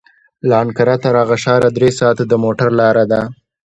له انقره تر هغه ښاره درې ساعته د موټر لاره ده.